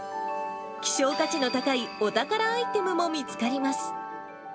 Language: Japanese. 希少価値の高いお宝アイテムも見つかります。